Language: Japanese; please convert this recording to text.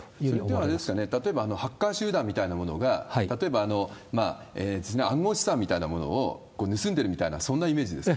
それはあれですね、例えばハッカー集団みたいなものが、例えば暗号資産みたいなものを盗んでるみたいな、そんなイメージですか？